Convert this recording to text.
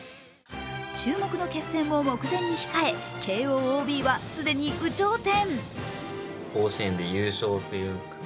注目の決戦を目前に控え慶応ＯＢは既に有頂天。